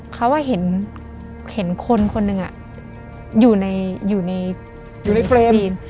เขาว่าเห็นคนคนนึงอยู่ในซีน